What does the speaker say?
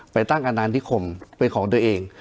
ไปตั้งอนานิคมเป็นของตัวเอง